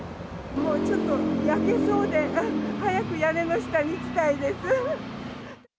もう、ちょっと焼けそうで早く屋根の下に行きたいです。